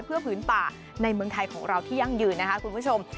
เพื่อผืนป่าในเมืองไทยของเราที่ยั่งยืนนะคะคุณผู้ชม